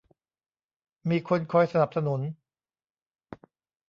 มีคนคอยสนับสนุน